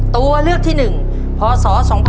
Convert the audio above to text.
ตัวเลือกที่๑พศ๒๕๖๒